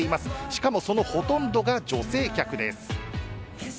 しかもそのほとんどが女性客です。